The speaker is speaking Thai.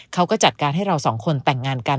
เขาก็จัดการให้เราสองคนแต่งงานกัน